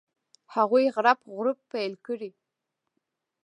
هغوی غړپ غړوپ پیل کړي.